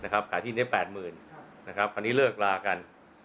ขายที่ดินได้๘๐๐๐๐บาทคราวนี้เลิกลากัน